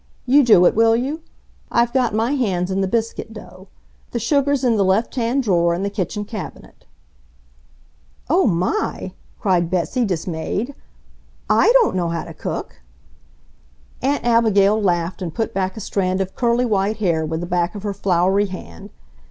You do it, will you? I've got my hands in the biscuit dough. The sugar's in the left hand drawer in the kitchen cabinet." "Oh, MY!" cried Betsy, dismayed. "I don't know how to cook!" Aunt Abigail laughed and put back a strand of curly white hair with the back of her floury hand.